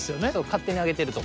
勝手にあげてると。